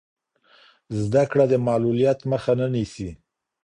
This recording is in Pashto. زده کړه د معلولیت مخه نه نیسي.